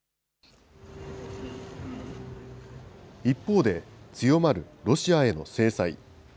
一方で、強まるロシアへの制裁。